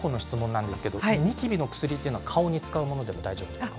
ニキビの薬とは顔に使うものでも大丈夫ですか？